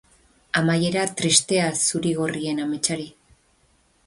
Amaiera tristea zuri-gorrien ametsari.